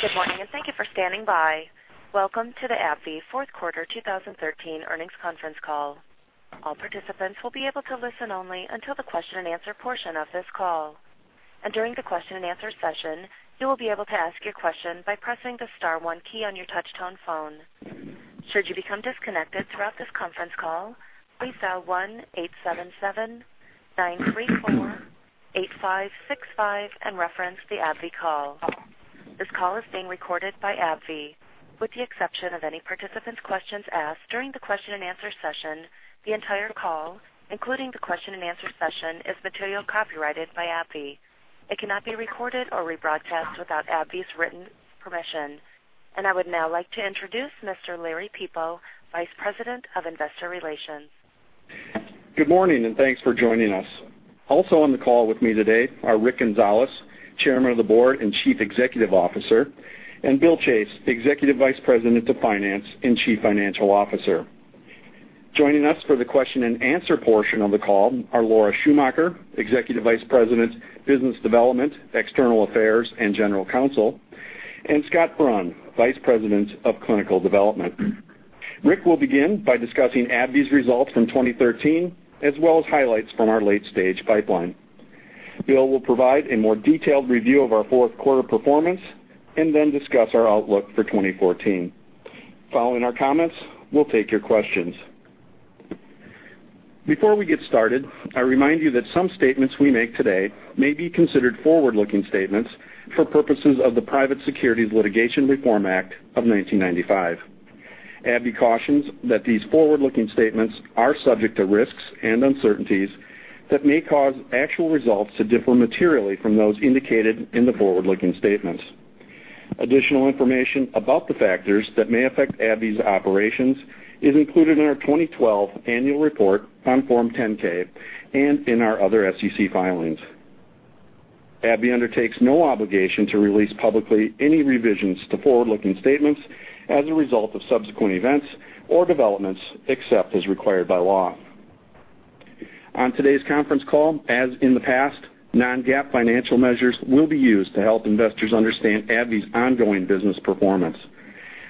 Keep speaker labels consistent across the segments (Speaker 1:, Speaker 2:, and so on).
Speaker 1: Good morning, and thank you for standing by. Welcome to the AbbVie Fourth Quarter 2013 Earnings Conference Call. All participants will be able to listen only until the question and answer portion of this call. During the question and answer session, you will be able to ask your question by pressing the star one key on your touch-tone phone. Should you become disconnected throughout this conference call, please dial 1-877-934-8565 and reference the AbbVie call. This call is being recorded by AbbVie. With the exception of any participant's questions asked during the question and answer session, the entire call, including the question and answer session, is material copyrighted by AbbVie. It cannot be recorded or rebroadcast without AbbVie's written permission. I would now like to introduce Mr. Larry Peepo, Vice President of Investor Relations.
Speaker 2: Good morning, and thanks for joining us. Also on the call with me today are Rick Gonzalez, Chairman of the Board and Chief Executive Officer, and Bill Chase, Executive Vice President of Finance and Chief Financial Officer. Joining us for the question and answer portion of the call are Laura Schumacher, Executive Vice President, Business Development, External Affairs, and General Counsel, and Scott Brun, Vice President of Clinical Development. Rick will begin by discussing AbbVie's results from 2013, as well as highlights from our late-stage pipeline. Bill will provide a more detailed review of our fourth quarter performance, then discuss our outlook for 2014. Following our comments, we'll take your questions. Before we get started, I remind you that some statements we make today may be considered forward-looking statements for purposes of the Private Securities Litigation Reform Act of 1995. AbbVie cautions that these forward-looking statements are subject to risks and uncertainties that may cause actual results to differ materially from those indicated in the forward-looking statements. Additional information about the factors that may affect AbbVie's operations is included in our 2012 annual report on Form 10-K and in our other SEC filings. AbbVie undertakes no obligation to release publicly any revisions to forward-looking statements as a result of subsequent events or developments, except as required by law. On today's conference call, as in the past, non-GAAP financial measures will be used to help investors understand AbbVie's ongoing business performance.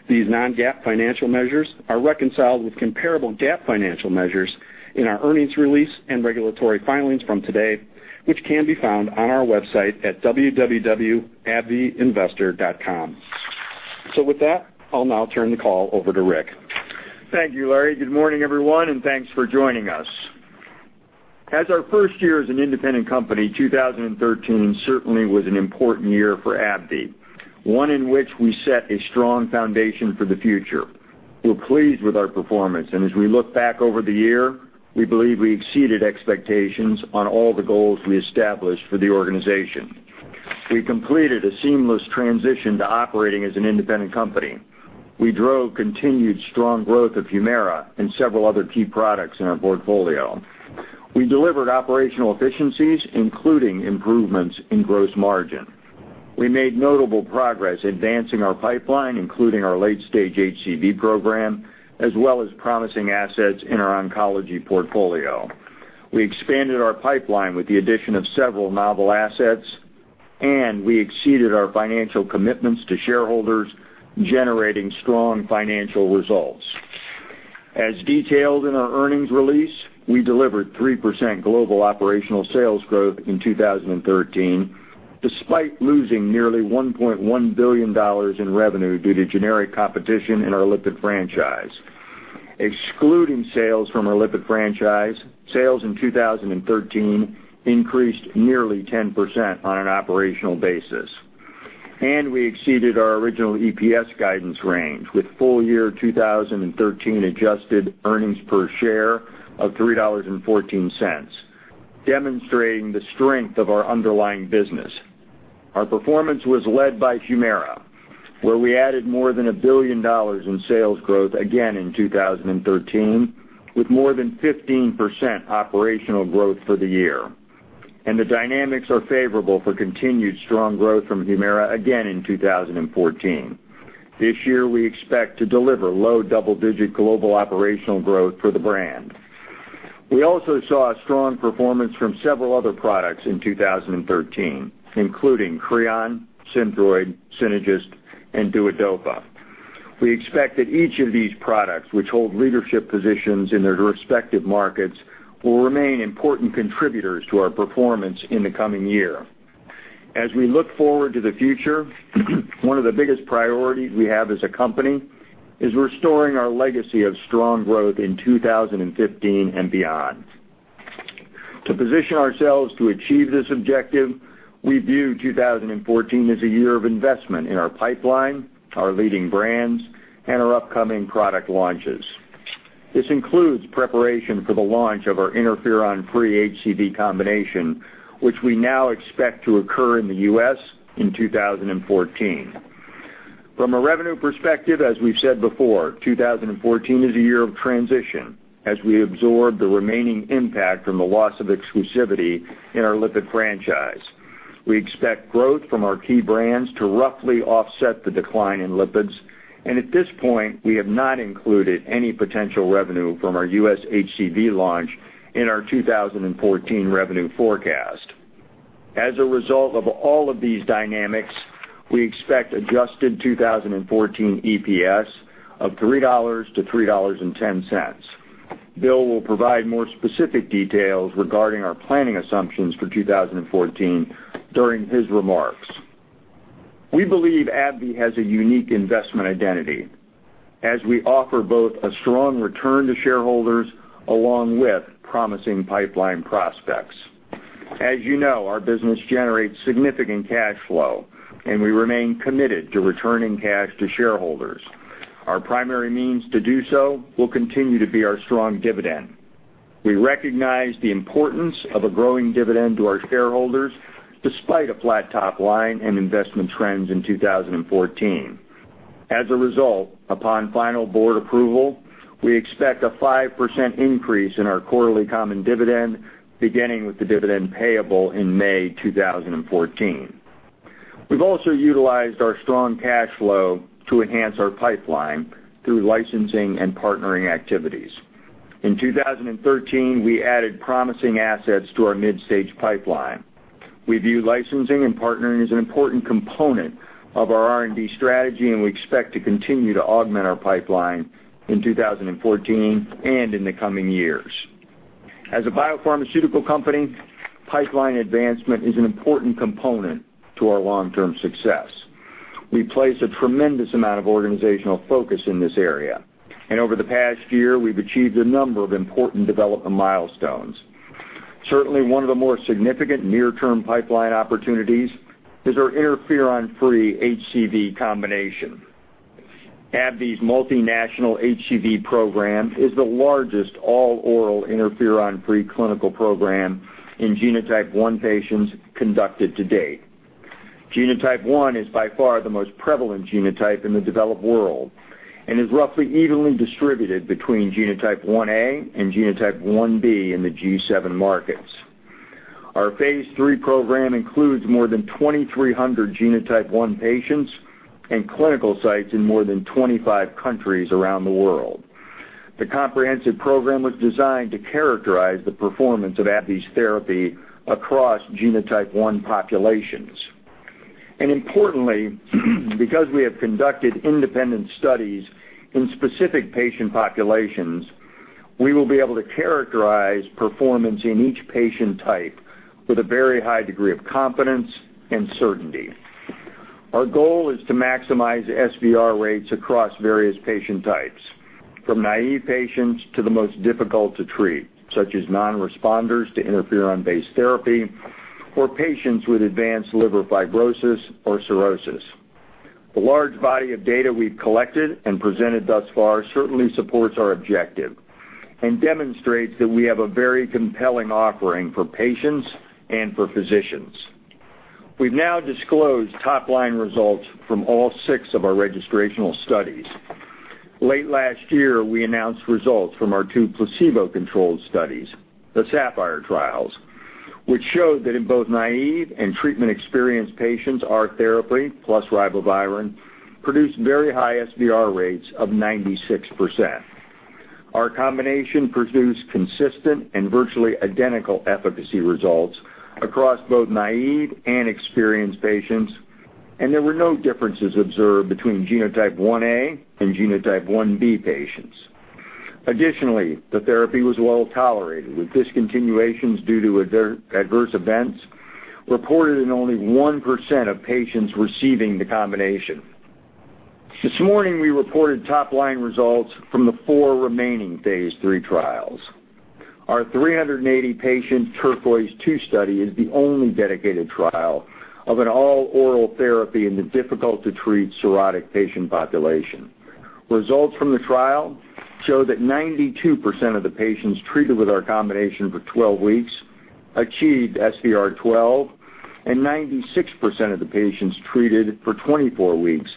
Speaker 2: These non-GAAP financial measures are reconciled with comparable GAAP financial measures in our earnings release and regulatory filings from today, which can be found on our website at www.abbvieinvestor.com. With that, I'll now turn the call over to Rick.
Speaker 3: Thank you, Larry. Good morning, everyone, and thanks for joining us. As our first year as an independent company, 2013 certainly was an important year for AbbVie, one in which we set a strong foundation for the future. We're pleased with our performance, as we look back over the year, we believe we exceeded expectations on all the goals we established for the organization. We completed a seamless transition to operating as an independent company. We drove continued strong growth of HUMIRA and several other key products in our portfolio. We delivered operational efficiencies, including improvements in gross margin. We made notable progress advancing our pipeline, including our late-stage HCV program, as well as promising assets in our oncology portfolio. We expanded our pipeline with the addition of several novel assets, we exceeded our financial commitments to shareholders, generating strong financial results. As detailed in our earnings release, we delivered 3% global operational sales growth in 2013, despite losing nearly $1.1 billion in revenue due to generic competition in our lipid franchise. Excluding sales from our lipid franchise, sales in 2013 increased nearly 10% on an operational basis. We exceeded our original EPS guidance range with full year 2013 adjusted earnings per share of $3.14, demonstrating the strength of our underlying business. Our performance was led by HUMIRA, where we added more than $1 billion in sales growth again in 2013, with more than 15% operational growth for the year. The dynamics are favorable for continued strong growth from HUMIRA again in 2014. This year, we expect to deliver low double-digit global operational growth for the brand. We also saw strong performance from several other products in 2013, including CREON, CIMZIA, Synagis, and DUODOPA. We expect that each of these products, which hold leadership positions in their respective markets, will remain important contributors to our performance in the coming year. As we look forward to the future, one of the biggest priorities we have as a company is restoring our legacy of strong growth in 2015 and beyond. To position ourselves to achieve this objective, we view 2014 as a year of investment in our pipeline, our leading brands, and our upcoming product launches. This includes preparation for the launch of our interferon-free HCV combination, which we now expect to occur in the U.S. in 2014. From a revenue perspective, as we've said before, 2014 is a year of transition as we absorb the remaining impact from the loss of exclusivity in our lipid franchise. We expect growth from our key brands to roughly offset the decline in lipids, and at this point, we have not included any potential revenue from our U.S. HCV launch in our 2014 revenue forecast. As a result of all of these dynamics, we expect adjusted 2014 EPS of $3-$3.10. Bill will provide more specific details regarding our planning assumptions for 2014 during his remarks. We believe AbbVie has a unique investment identity as we offer both a strong return to shareholders, along with promising pipeline prospects. As you know, our business generates significant cash flow, and we remain committed to returning cash to shareholders. Our primary means to do so will continue to be our strong dividend. We recognize the importance of a growing dividend to our shareholders, despite a flat top line and investment trends in 2014. As a result, upon final board approval, we expect a 5% increase in our quarterly common dividend, beginning with the dividend payable in May 2014. We've also utilized our strong cash flow to enhance our pipeline through licensing and partnering activities. In 2013, we added promising assets to our mid-stage pipeline. We view licensing and partnering as an important component of our R&D strategy, and we expect to continue to augment our pipeline in 2014 and in the coming years. As a biopharmaceutical company, pipeline advancement is an important component to our long-term success. We place a tremendous amount of organizational focus in this area, and over the past year, we've achieved a number of important development milestones. Certainly, one of the more significant near-term pipeline opportunities is our interferon-free HCV combination. AbbVie's multinational HCV program is the largest all-oral interferon-free clinical program in genotype 1 patients conducted to date. Genotype 1 is by far the most prevalent genotype in the developed world and is roughly evenly distributed between genotype 1a and genotype 1b in the G7 markets. Our phase III program includes more than 2,300 genotype 1 patients in clinical sites in more than 25 countries around the world. The comprehensive program was designed to characterize the performance of AbbVie's therapy across genotype 1 populations. Importantly, because we have conducted independent studies in specific patient populations, we will be able to characterize performance in each patient type with a very high degree of confidence and certainty. Our goal is to maximize SVR rates across various patient types, from naive patients to the most difficult to treat, such as non-responders to interferon-based therapy or patients with advanced liver fibrosis or cirrhosis. The large body of data we've collected and presented thus far certainly supports our objective and demonstrates that we have a very compelling offering for patients and for physicians. We've now disclosed top-line results from all six of our registrational studies. Late last year, we announced results from our two placebo-controlled studies, the SAPPHIRE trials, which showed that in both naive and treatment-experienced patients, our therapy, plus ribavirin, produced very high SVR rates of 96%. Our combination produced consistent and virtually identical efficacy results across both naive and experienced patients. There were no differences observed between genotype 1a and genotype 1b patients. Additionally, the therapy was well-tolerated, with discontinuations due to adverse events reported in only 1% of patients receiving the combination. This morning, we reported top-line results from the four remaining phase III trials. Our 380-patient TURQUOISE-II study is the only dedicated trial of an all-oral therapy in the difficult-to-treat cirrhotic patient population. Results from the trial show that 92% of the patients treated with our combination for 12 weeks achieved SVR12. 96% of the patients treated for 24 weeks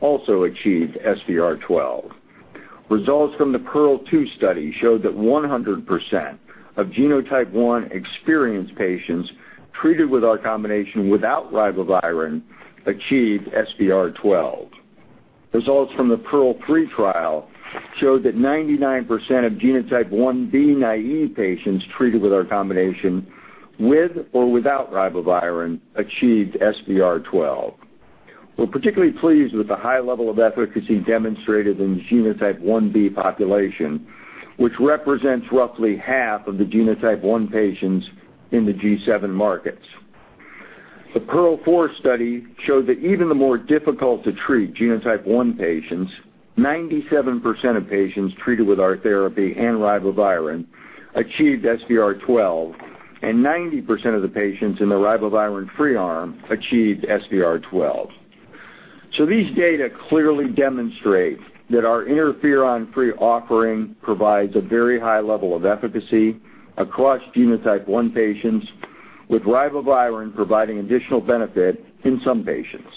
Speaker 3: also achieved SVR12. Results from the PEARL-II study showed that 100% of genotype 1 experienced patients treated with our combination without ribavirin achieved SVR12. Results from the PEARL-III trial showed that 99% of genotype 1b naive patients treated with our combination with or without ribavirin achieved SVR12. We're particularly pleased with the high level of efficacy demonstrated in the genotype 1b population, which represents roughly half of the genotype 1 patients in the G7 markets. The PEARL-IV study showed that even the more difficult to treat genotype 1 patients, 97% of patients treated with our therapy and ribavirin achieved SVR12. 90% of the patients in the ribavirin-free arm achieved SVR12. These data clearly demonstrate that our interferon-free offering provides a very high level of efficacy across genotype 1 patients, with ribavirin providing additional benefit in some patients.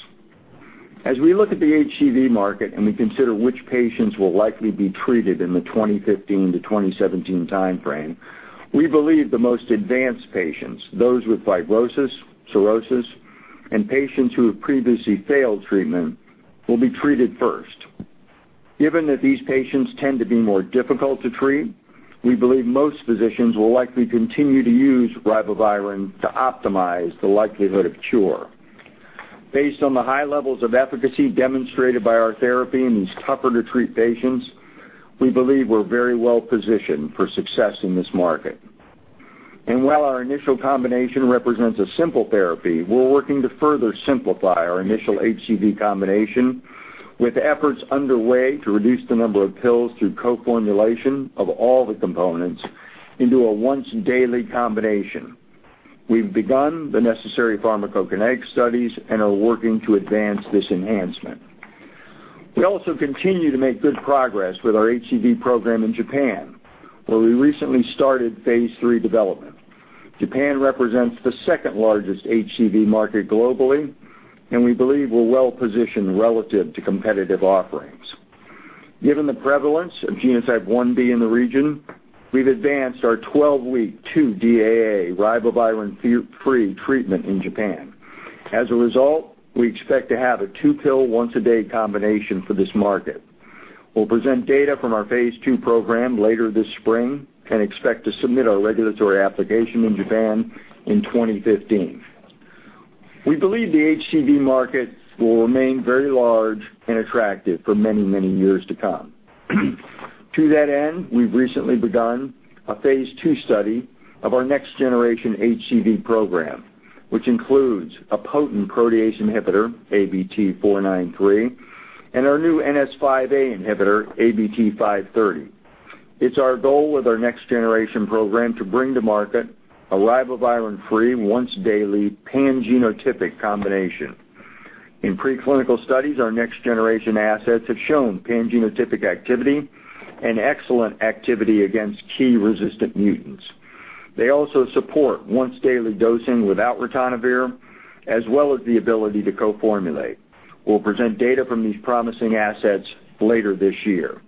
Speaker 3: As we look at the HCV market and we consider which patients will likely be treated in the 2015 to 2017 timeframe, we believe the most advanced patients, those with fibrosis, cirrhosis, and patients who have previously failed treatment, will be treated first. Given that these patients tend to be more difficult to treat, we believe most physicians will likely continue to use ribavirin to optimize the likelihood of cure. Based on the high levels of efficacy demonstrated by our therapy in these tougher to treat patients, we believe we're very well positioned for success in this market. While our initial combination represents a simple therapy, we're working to further simplify our initial HCV combination with efforts underway to reduce the number of pills through co-formulation of all the components into a once daily combination. We've begun the necessary pharmacokinetic studies and are working to advance this enhancement. We also continue to make good progress with our HCV program in Japan, where we recently started phase III development. Japan represents the second largest HCV market globally. We believe we're well positioned relative to competitive offerings. Given the prevalence of genotype 1B in the region, we've advanced our 12-week 2 DAA ribavirin-free treatment in Japan. As a result, we expect to have a two-pill once a day combination for this market. We'll present data from our phase II program later this spring and expect to submit our regulatory application in Japan in 2015. We believe the HCV market will remain very large and attractive for many years to come. To that end, we've recently begun a phase II study of our next generation HCV program, which includes a potent protease inhibitor, ABT-493, and our new NS5A inhibitor, ABT-530. It's our goal with our next generation program to bring to market a ribavirin-free, once daily pan-genotypic combination. In pre-clinical studies, our next generation assets have shown pan-genotypic activity and excellent activity against key resistant mutants. They also support once daily dosing without ritonavir, as well as the ability to co-formulate. We'll present data from these promising assets later this year.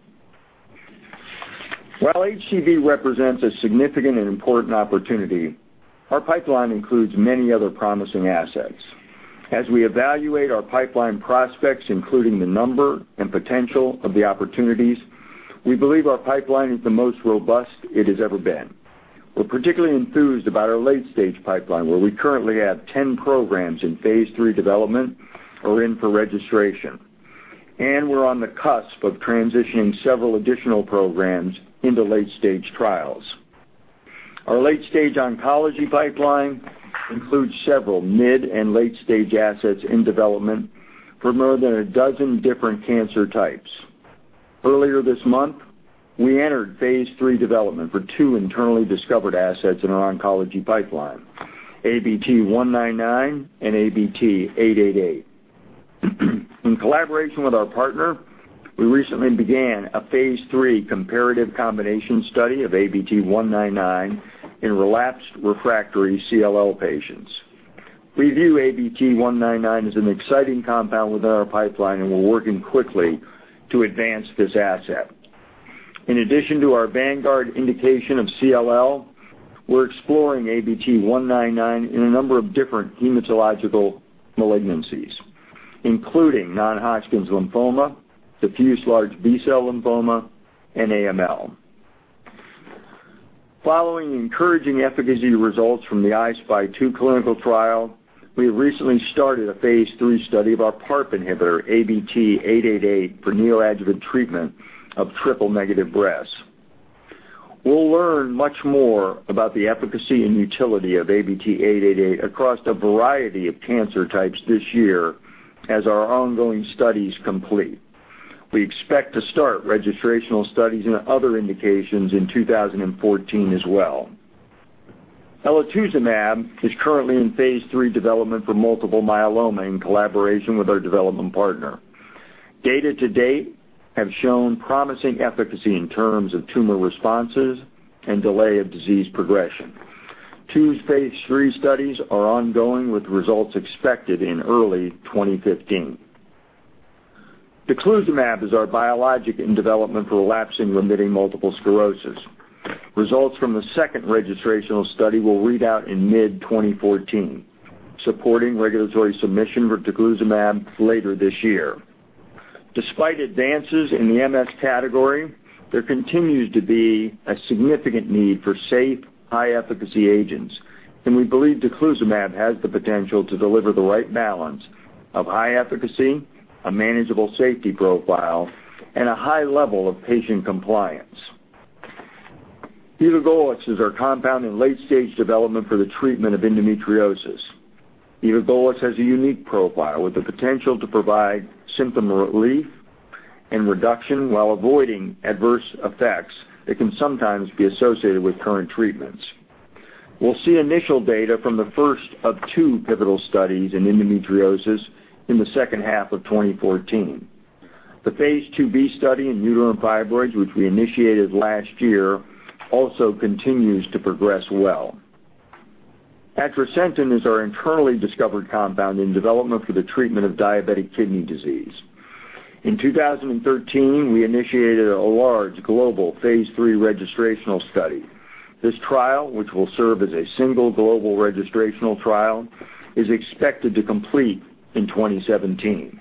Speaker 3: While HCV represents a significant and important opportunity, our pipeline includes many other promising assets. As we evaluate our pipeline prospects, including the number and potential of the opportunities, we believe our pipeline is the most robust it has ever been. We're particularly enthused about our late-stage pipeline, where we currently have 10 programs in phase III development or in for registration. We're on the cusp of transitioning several additional programs into late-stage trials. Our late-stage oncology pipeline includes several mid and late-stage assets in development for more than a dozen different cancer types. Earlier this month, we entered phase III development for two internally discovered assets in our oncology pipeline, ABT-199 and ABT-888. In collaboration with our partner, we recently began a phase III comparative combination study of ABT-199 in relapsed refractory CLL patients. We view ABT-199 as an exciting compound within our pipeline. We're working quickly to advance this asset. In addition to our vanguard indication of CLL, we're exploring ABT-199 in a number of different hematological malignancies, including non-Hodgkin's lymphoma, diffuse large B-cell lymphoma, and AML. Following encouraging efficacy results from the I-SPY 2 clinical trial, we have recently started a phase III study of our PARP inhibitor, ABT-888, for neoadjuvant treatment of triple negative breast. We'll learn much more about the efficacy and utility of ABT-888 across a variety of cancer types this year as our ongoing studies complete. We expect to start registrational studies in other indications in 2014 as well. elotuzumab is currently in phase III development for multiple myeloma in collaboration with our development partner. Data to date have shown promising efficacy in terms of tumor responses and delay of disease progression. Two phase III studies are ongoing with results expected in early 2015. daclizumab is our biologic in development for relapsing remitting multiple sclerosis. Results from the second registrational study will read out in mid-2014, supporting regulatory submission for daclizumab later this year. Despite advances in the MS category, there continues to be a significant need for safe, high-efficacy agents, and we believe daclizumab has the potential to deliver the right balance of high efficacy, a manageable safety profile, and a high level of patient compliance. elagolix is our compound in late-stage development for the treatment of endometriosis. elagolix has a unique profile with the potential to provide symptom relief and reduction while avoiding adverse effects that can sometimes be associated with current treatments. We'll see initial data from the first of two pivotal studies in endometriosis in the second half of 2014. The phase II-B study in uterine fibroids, which we initiated last year, also continues to progress well. atrasentan is our internally discovered compound in development for the treatment of diabetic kidney disease. In 2013, we initiated a large global phase III registrational study. This trial, which will serve as a single global registrational trial, is expected to complete in 2017.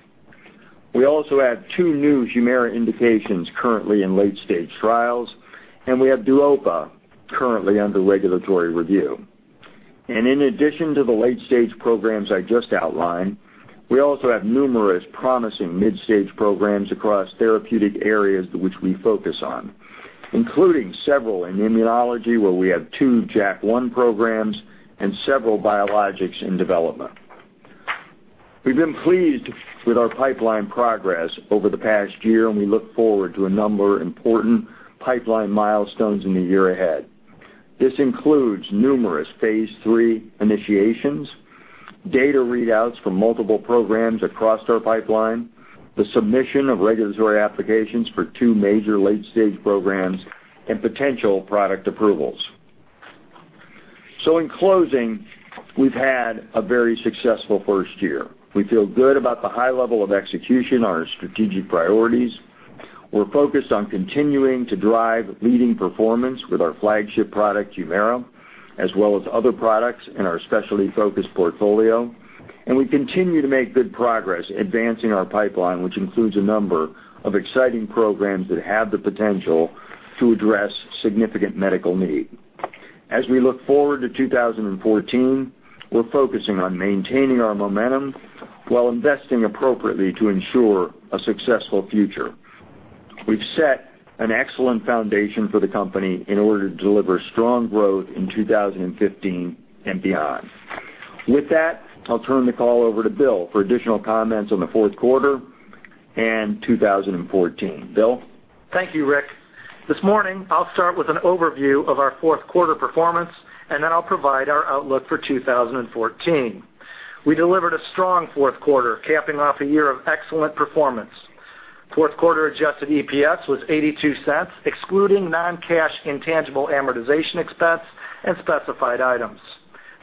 Speaker 3: We also have two new HUMIRA indications currently in late-stage trials, and we have DUODOPA currently under regulatory review. In addition to the late-stage programs I just outlined, we also have numerous promising mid-stage programs across therapeutic areas which we focus on, including several in immunology, where we have two JAK1 programs and several biologics in development. We've been pleased with our pipeline progress over the past year, and we look forward to a number of important pipeline milestones in the year ahead. This includes numerous phase III initiations, data readouts from multiple programs across our pipeline, the submission of regulatory applications for two major late-stage programs, and potential product approvals. In closing, we've had a very successful first year. We feel good about the high level of execution on our strategic priorities. We're focused on continuing to drive leading performance with our flagship product, HUMIRA, as well as other products in our specialty focus portfolio. We continue to make good progress advancing our pipeline, which includes a number of exciting programs that have the potential to address significant medical need. As we look forward to 2014, we're focusing on maintaining our momentum while investing appropriately to ensure a successful future. We've set an excellent foundation for the company in order to deliver strong growth in 2015 and beyond. With that, I'll turn the call over to Bill for additional comments on the fourth quarter and 2014. Bill?
Speaker 4: Thank you, Rick. This morning, I'll start with an overview of our fourth quarter performance. I'll provide our outlook for 2014. We delivered a strong fourth quarter, capping off a year of excellent performance. Fourth quarter adjusted EPS was $0.82, excluding non-cash intangible amortization expense and specified items.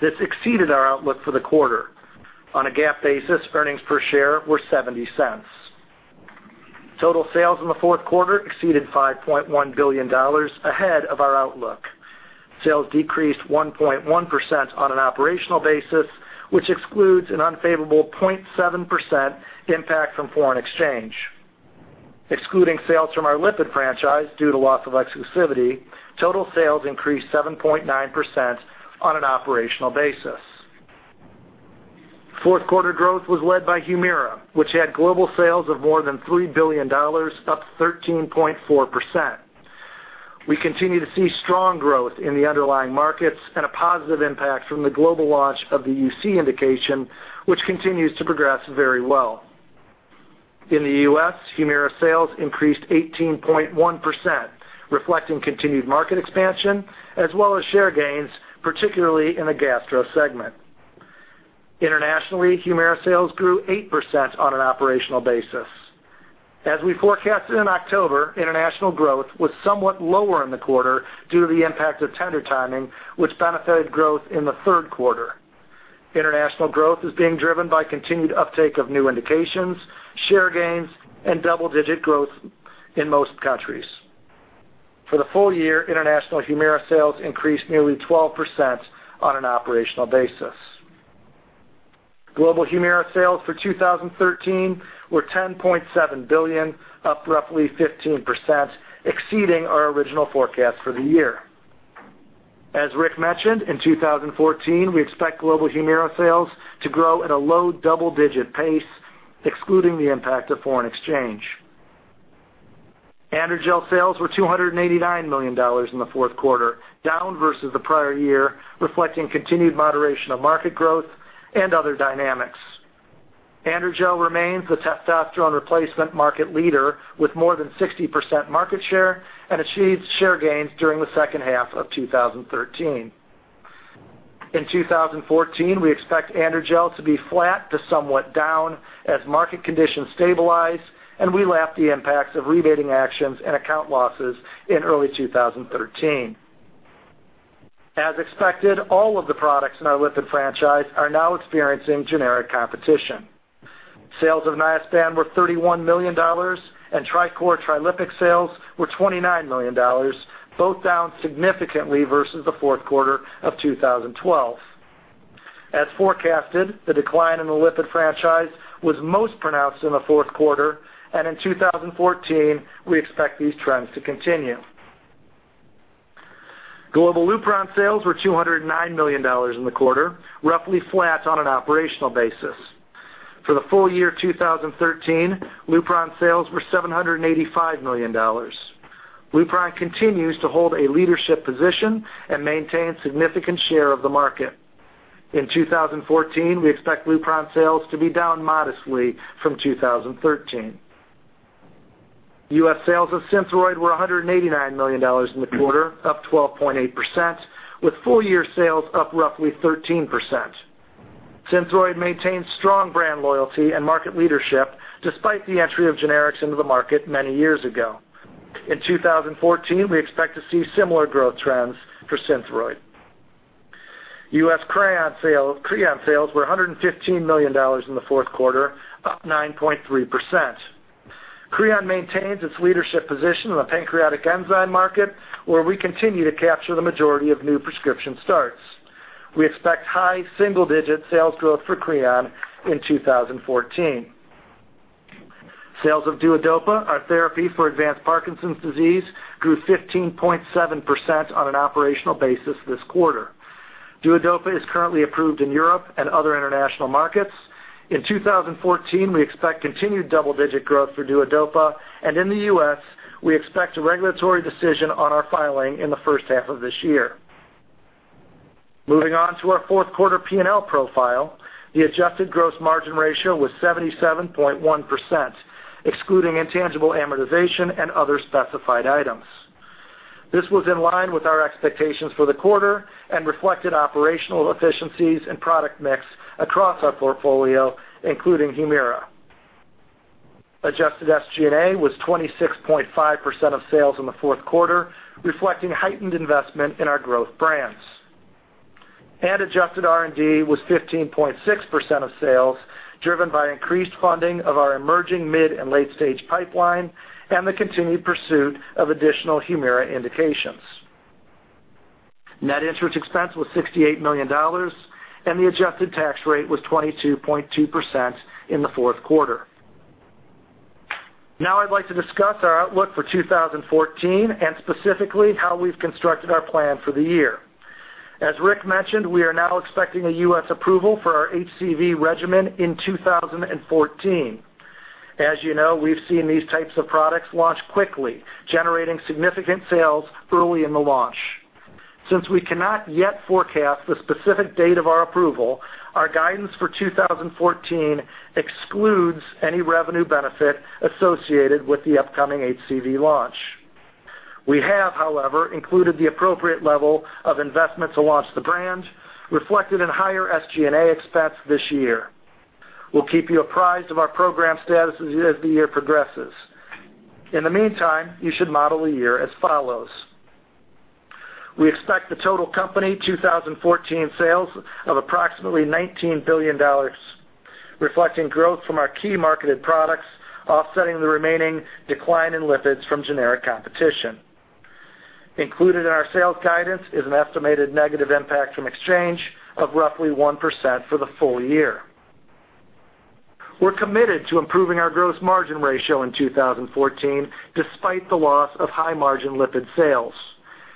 Speaker 4: This exceeded our outlook for the quarter. On a GAAP basis, earnings per share were $0.70. Total sales in the fourth quarter exceeded $5.1 billion, ahead of our outlook. Sales decreased 1.1% on an operational basis, which excludes an unfavorable 0.7% impact from foreign exchange. Excluding sales from our lipid franchise due to loss of exclusivity, total sales increased 7.9% on an operational basis. Fourth quarter growth was led by HUMIRA, which had global sales of more than $3 billion, up 13.4%. We continue to see strong growth in the underlying markets and a positive impact from the global launch of the UC indication, which continues to progress very well. In the U.S., HUMIRA sales increased 18.1%, reflecting continued market expansion as well as share gains, particularly in the gastro segment. Internationally, HUMIRA sales grew 8% on an operational basis. As we forecasted in October, international growth was somewhat lower in the quarter due to the impact of tender timing, which benefited growth in the third quarter. International growth is being driven by continued uptake of new indications, share gains, and double-digit growth in most countries. For the full year, international HUMIRA sales increased nearly 12% on an operational basis. Global HUMIRA sales for 2013 were $10.7 billion, up roughly 15%, exceeding our original forecast for the year. As Rick mentioned, in 2014, we expect global HUMIRA sales to grow at a low double-digit pace, excluding the impact of foreign exchange. AndroGel sales were $289 million in the fourth quarter, down versus the prior year, reflecting continued moderation of market growth and other dynamics. AndroGel remains the testosterone replacement market leader with more than 60% market share and achieved share gains during the second half of 2013. In 2014, we expect AndroGel to be flat to somewhat down as market conditions stabilize and we lap the impacts of rebating actions and account losses in early 2013. As expected, all of the products in our lipid franchise are now experiencing generic competition. Niaspan sales were $31 million. TriCor and Trilipix sales were $29 million, both down significantly versus the fourth quarter of 2012. As forecasted, the decline in the lipid franchise was most pronounced in the fourth quarter. In 2014, we expect these trends to continue. Global LUPRON sales were $209 million in the quarter, roughly flat on an operational basis. For the full year 2013, LUPRON sales were $785 million. LUPRON continues to hold a leadership position and maintain significant share of the market. In 2014, we expect LUPRON sales to be down modestly from 2013. U.S. sales of SYNTHROID were $189 million in the quarter, up 12.8%, with full year sales up roughly 13%. SYNTHROID maintains strong brand loyalty and market leadership despite the entry of generics into the market many years ago. In 2014, we expect to see similar growth trends for SYNTHROID. U.S. CREON sales were $115 million in the fourth quarter, up 9.3%. CREON maintains its leadership position in the pancreatic enzyme market, where we continue to capture the majority of new prescription starts. We expect high single-digit sales growth for CREON in 2014. Sales of DUODOPA, our therapy for advanced Parkinson's disease, grew 15.7% on an operational basis this quarter. DUODOPA is currently approved in Europe and other international markets. In 2014, we expect continued double-digit growth for DUODOPA, and in the U.S., we expect a regulatory decision on our filing in the first half of this year. Moving on to our fourth quarter P&L profile, the adjusted gross margin ratio was 77.1%, excluding intangible amortization and other specified items. This was in line with our expectations for the quarter and reflected operational efficiencies and product mix across our portfolio, including HUMIRA. Adjusted SG&A was 26.5% of sales in the fourth quarter, reflecting heightened investment in our growth brands. Adjusted R&D was 15.6% of sales, driven by increased funding of our emerging mid and late-stage pipeline and the continued pursuit of additional HUMIRA indications. Net interest expense was $68 million, and the adjusted tax rate was 22.2% in the fourth quarter. Now I'd like to discuss our outlook for 2014 and specifically how we've constructed our plan for the year. As Rick mentioned, we are now expecting a U.S. approval for our HCV regimen in 2014. As you know, we've seen these types of products launch quickly, generating significant sales early in the launch. Since we cannot yet forecast the specific date of our approval, our guidance for 2014 excludes any revenue benefit associated with the upcoming HCV launch. We have, however, included the appropriate level of investment to launch the brand, reflected in higher SG&A expense this year. We'll keep you apprised of our program status as the year progresses. In the meantime, you should model the year as follows. We expect the total company 2014 sales of approximately $19 billion, reflecting growth from our key marketed products, offsetting the remaining decline in lipids from generic competition. Included in our sales guidance is an estimated negative impact from exchange of roughly 1% for the full year. We're committed to improving our gross margin ratio in 2014, despite the loss of high-margin lipid sales.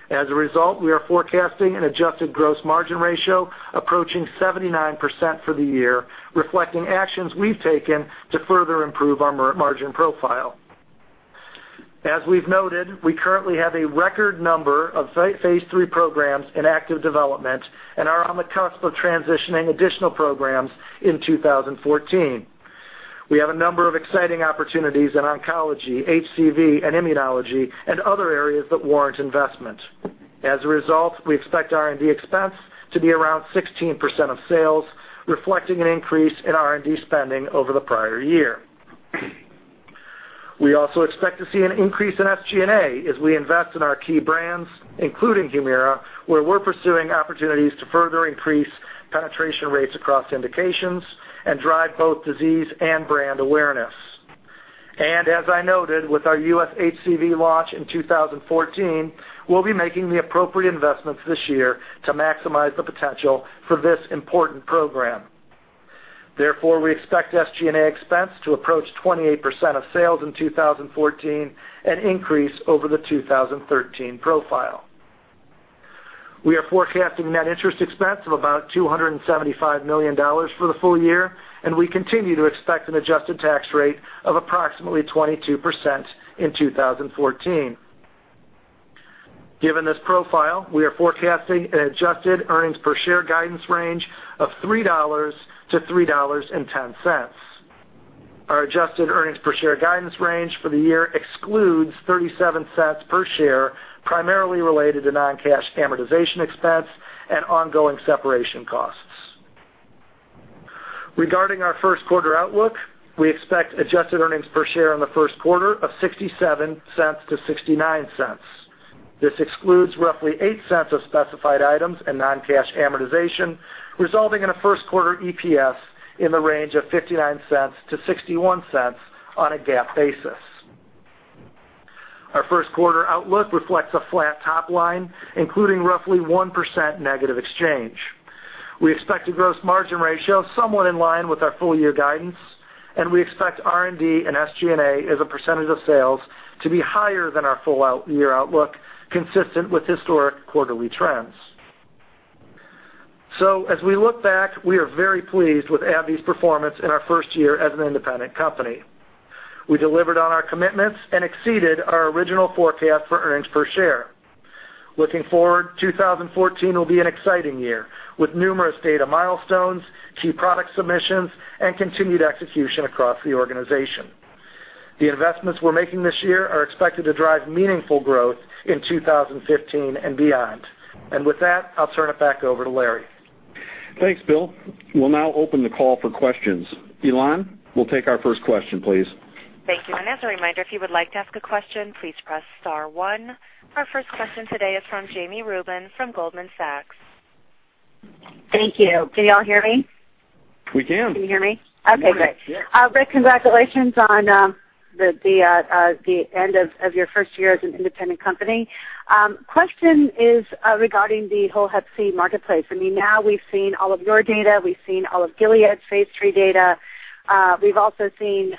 Speaker 4: As a result, we are forecasting an adjusted gross margin ratio approaching 79% for the year, reflecting actions we've taken to further improve our margin profile. As we've noted, we currently have a record number of phase III programs in active development and are on the cusp of transitioning additional programs in 2014. We have a number of exciting opportunities in oncology, HCV, and immunology and other areas that warrant investment. As a result, we expect R&D expense to be around 16% of sales, reflecting an increase in R&D spending over the prior year. We also expect to see an increase in SG&A as we invest in our key brands, including HUMIRA, where we're pursuing opportunities to further increase penetration rates across indications and drive both disease and brand awareness. As I noted, with our U.S. HCV launch in 2014, we'll be making the appropriate investments this year to maximize the potential for this important program. Therefore, we expect SG&A expense to approach 28% of sales in 2014, an increase over the 2013 profile. We are forecasting net interest expense of about $275 million for the full year, and we continue to expect an adjusted tax rate of approximately 22% in 2014. Given this profile, we are forecasting an adjusted earnings per share guidance range of $3.00-$3.10. Our adjusted earnings per share guidance range for the year excludes $0.37 per share, primarily related to non-cash amortization expense and ongoing separation costs. Regarding our first quarter outlook, we expect adjusted earnings per share in the first quarter of $0.67-$0.69. This excludes roughly $0.08 of specified items and non-cash amortization, resulting in a first quarter EPS in the range of $0.59-$0.61 on a GAAP basis. Our first quarter outlook reflects a flat top line, including roughly 1% negative exchange. We expect a gross margin ratio somewhat in line with our full-year guidance, and we expect R&D and SG&A as a percentage of sales to be higher than our full-year outlook, consistent with historic quarterly trends. As we look back, we are very pleased with AbbVie's performance in our first year as an independent company. We delivered on our commitments and exceeded our original forecast for earnings per share. Looking forward, 2014 will be an exciting year, with numerous data milestones, key product submissions, and continued execution across the organization. The investments we're making this year are expected to drive meaningful growth in 2015 and beyond. With that, I'll turn it back over to Larry.
Speaker 2: Thanks, Bill. We'll now open the call for questions. Elan, we'll take our first question, please.
Speaker 1: Thank you. As a reminder, if you would like to ask a question, please press star one. Our first question today is from Jami Rubin from Goldman Sachs.
Speaker 5: Thank you. Can you all hear me?
Speaker 3: We can.
Speaker 5: Can you hear me?
Speaker 3: Yes.
Speaker 5: Okay, great. Rick, congratulations on the end of your first year as an independent company. Question is regarding the whole hep C marketplace. We've seen all of your data, we've seen all of Gilead's phase III data. We've also seen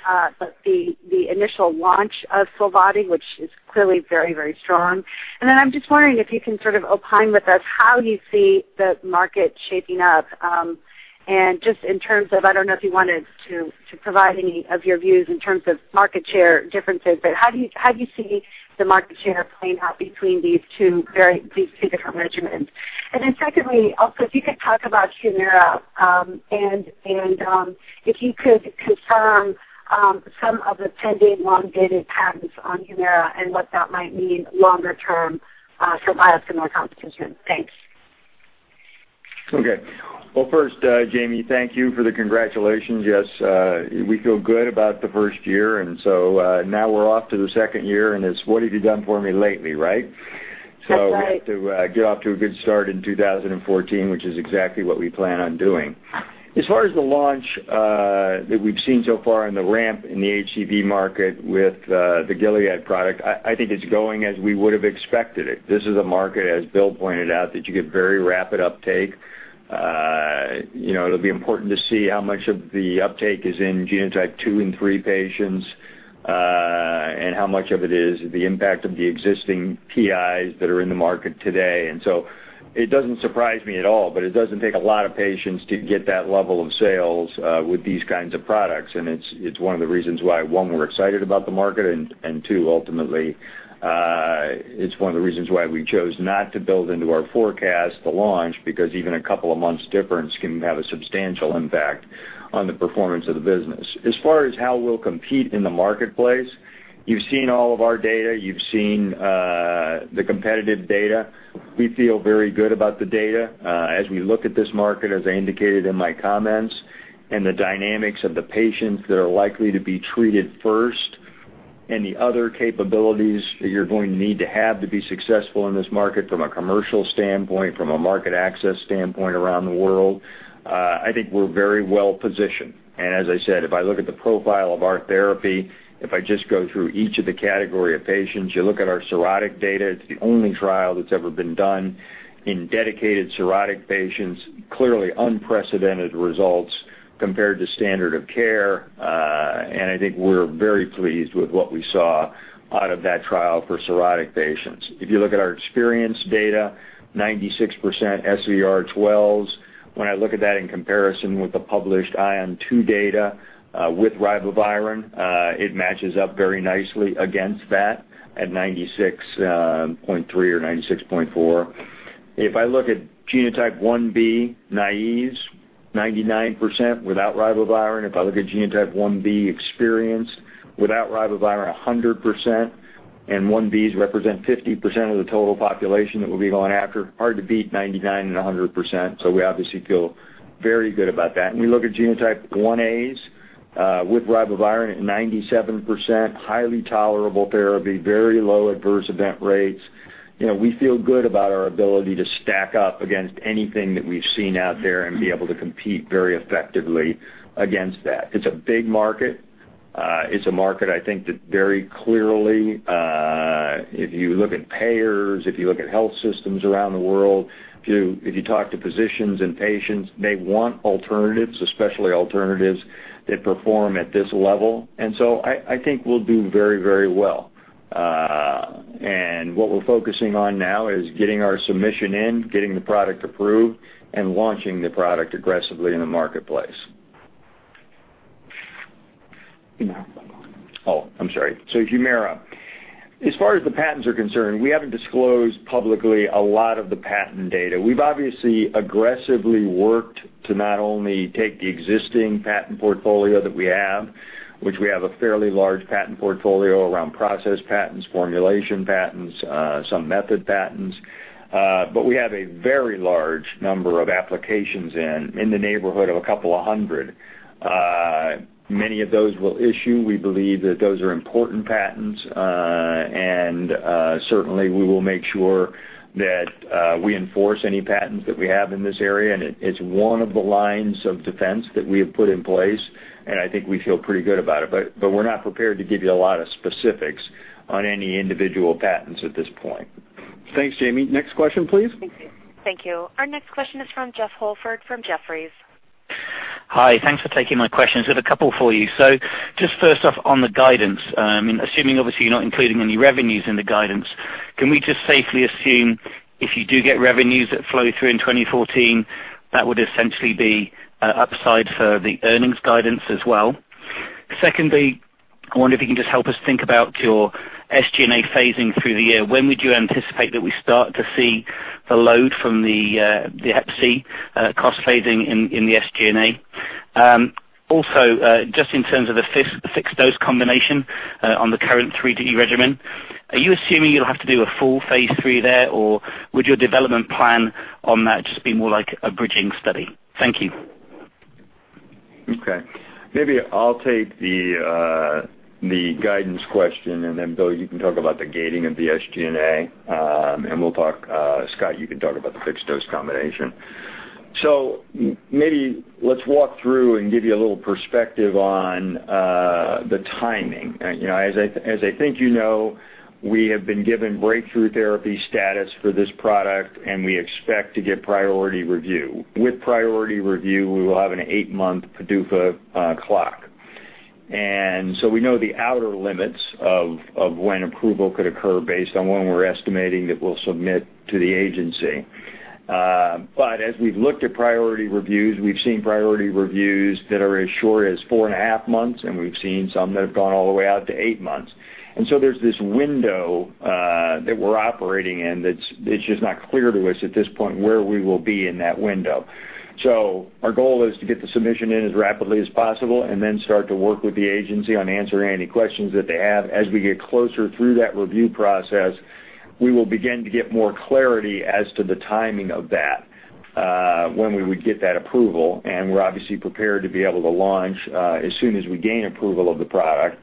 Speaker 5: the initial launch of Sovaldi, which is clearly very strong. Then I'm just wondering if you can sort of opine with us how you see the market shaping up, and just in terms of, I don't know if you wanted to provide any of your views in terms of market share differences, but how do you see the market share playing out between these two different regimens? Secondly, also, if you could talk about HUMIRA, and if you could confirm some of the pending long-dated patents on HUMIRA and what that might mean longer term from biosimilar competition. Thanks.
Speaker 3: Okay. Well, first, Jami, thank you for the congratulations. Yes, we feel good about the first year. Now we're off to the second year, and it's what have you done for me lately, right?
Speaker 5: That's right.
Speaker 3: We have to get off to a good start in 2014, which is exactly what we plan on doing. As far as the launch that we've seen so far and the ramp in the HCV market with the Gilead product, I think it's going as we would've expected it. This is a market, as Bill pointed out, that you get very rapid uptake. It'll be important to see how much of the uptake is in genotype 2 and 3 patients, and how much of it is the impact of the existing PIs that are in the market today. It doesn't surprise me at all, but it doesn't take a lot of patients to get that level of sales with these kinds of products. It's one of the reasons why, one, we're excited about the market, two, ultimately, it's one of the reasons why we chose not to build into our forecast to launch, because even a couple of months difference can have a substantial impact on the performance of the business. As far as how we'll compete in the marketplace, you've seen all of our data, you've seen the competitive data. We feel very good about the data. We look at this market, as I indicated in my comments and the dynamics of the patients that are likely to be treated first and the other capabilities that you're going to need to have to be successful in this market from a commercial standpoint, from a market access standpoint around the world, I think we're very well-positioned. As I said, if I look at the profile of our therapy, if I just go through each of the category of patients, you look at our cirrhotic data, it's the only trial that's ever been done in dedicated cirrhotic patients. Clearly unprecedented results compared to standard of care, and I think we're very pleased with what we saw out of that trial for cirrhotic patients. If you look at our experience data, 96% SVR12s. When I look at that in comparison with the published ION-2 data with ribavirin, it matches up very nicely against that at 96.3 or 96.4. If I look at genotype 1b naives, 99% without ribavirin. If I look at genotype 1b experienced without ribavirin, 100%. 1bs represent 50% of the total population that we'll be going after. Hard to beat 99 and 100%, we obviously feel very good about that. When we look at genotype 1a's with ribavirin at 97%, highly tolerable therapy, very low adverse event rates. We feel good about our ability to stack up against anything that we've seen out there and be able to compete very effectively against that. It's a big market. It's a market, I think, that very clearly, if you look at payers, if you look at health systems around the world, if you talk to physicians and patients, they want alternatives, especially alternatives that perform at this level. I think we'll do very well. What we're focusing on now is getting our submission in, getting the product approved, and launching the product aggressively in the marketplace. Oh, I'm sorry. HUMIRA. As far as the patents are concerned, we haven't disclosed publicly a lot of the patent data. We've obviously aggressively worked to not only take the existing patent portfolio that we have, which we have a fairly large patent portfolio around process patents, formulation patents, some method patents. We have a very large number of applications in the neighborhood of a couple of hundred. Many of those we'll issue. We believe that those are important patents, certainly we will make sure that we enforce any patents that we have in this area, it's one of the lines of defense that we have put in place, I think we feel pretty good about it. We're not prepared to give you a lot of specifics on any individual patents at this point. Thanks, Jami. Next question, please.
Speaker 1: Thank you. Our next question is from Jeffrey Holford from Jefferies.
Speaker 6: Hi. Thanks for taking my questions. I have a couple for you. First off, on the guidance, assuming obviously you're not including any revenues in the guidance, can we just safely assume if you do get revenues that flow through in 2014, that would essentially be upside for the earnings guidance as well? Secondly, I wonder if you can just help us think about your SG&A phasing through the year. When would you anticipate that we start to see the load from the hep C cost phasing in the SG&A? Just in terms of the fixed dose combination on the current 3D regimen, are you assuming you'll have to do a full phase III there, or would your development plan on that just be more like a bridging study? Thank you.
Speaker 3: Maybe I'll take the guidance question, and then Bill, you can talk about the gating of the SG&A, and Scott, you can talk about the fixed dose combination. Maybe let's walk through and give you a little perspective on the timing. As I think you know, we have been given breakthrough therapy status for this product, and we expect to get priority review. With priority review, we will have an eight-month PDUFA clock. We know the outer limits of when approval could occur based on when we're estimating that we'll submit to the agency. As we've looked at priority reviews, we've seen priority reviews that are as short as four and a half months, and we've seen some that have gone all the way out to eight months. There's this window that we're operating in that's just not clear to us at this point where we will be in that window. Our goal is to get the submission in as rapidly as possible and then start to work with the agency on answering any questions that they have. As we get closer through that review process, we will begin to get more clarity as to the timing of that, when we would get that approval, and we're obviously prepared to be able to launch as soon as we gain approval of the product.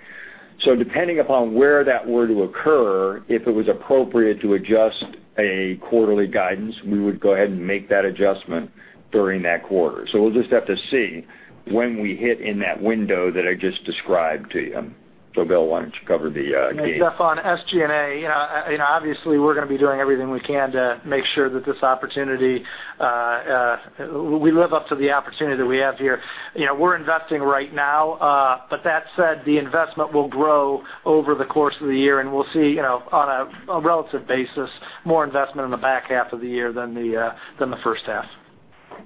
Speaker 3: Depending upon where that were to occur, if it was appropriate to adjust a quarterly guidance, we would go ahead and make that adjustment during that quarter. We'll just have to see when we hit in that window that I just described to you. Bill, why don't you cover the gating?
Speaker 4: Jeff, on SG&A, obviously we're going to be doing everything we can to make sure that we live up to the opportunity that we have here. We're investing right now. That said, the investment will grow over the course of the year, and we'll see, on a relative basis, more investment in the back half of the year than the first half.
Speaker 3: Okay.